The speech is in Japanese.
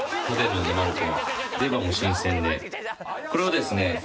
これをですね。